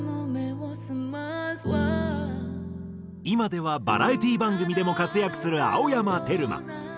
今ではバラエティー番組でも活躍する青山テルマ。